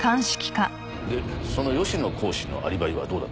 でその吉野講師のアリバイはどうだったんですか？